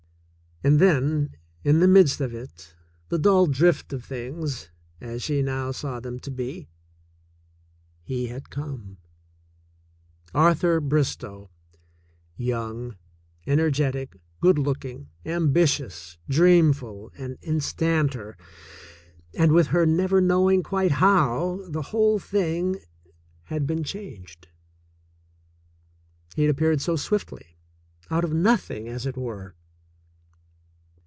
And then in the midst of it, the dull drift of things, as she now saw them to be, he had come — Arthur Bristow — young, energetic, good looking, ambitious, dreamful, and instanter, and with her never knowing quite how, the whole thing had been changed. He had appeared so swiftly — out of nothing, as it were.